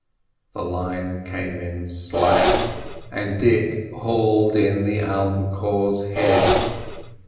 The line came in slack, and Dick hauled in the albicore's head.